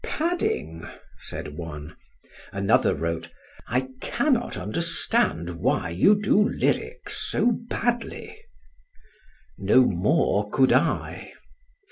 "Padding," said one. Another wrote: "I cannot understand why you do lyrics so badly." No more could I!